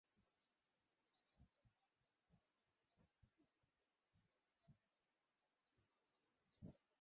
সৌভাগ্যবশত, আমি ছদ্মবেশ ধরতে পারদর্শী।